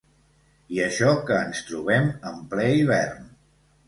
I això que ens trobem en ple hivern.